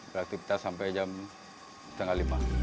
dan kita sampai jam setengah lima